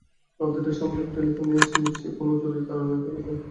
রাত দুটার সময় যখন টেলিফোন করেছেন, নিশ্চয়ই কোনো জরুরি কারণে করেছেন।